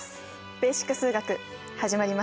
「ベーシック数学」始まりました。